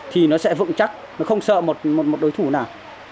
thì nó sẽ vững chắc nó không sợ một đối thủ nào